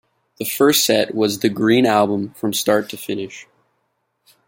The first set was "The Green Album" from start to finish.